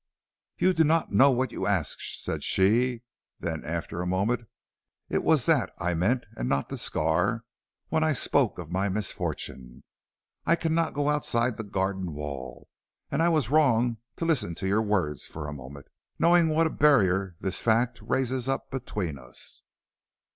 "You do not know what you ask," said she; then after a moment, "it was that I meant and not the scar, when I spoke of my misfortune. I cannot go outside the garden wall, and I was wrong to listen to your words for a moment, knowing what a barrier this fact raises up between us."